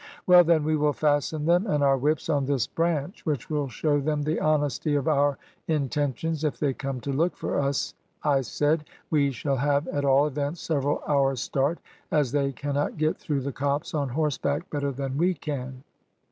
"`Well then, we will fasten them and our whips on this branch, which will show them the honesty of our intentions, if they come to look for us,' I said; `we shall have, at all events, several hours' start, as they cannot get through the copse on horseback better than we can.'